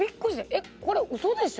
えっこれうそでしょ？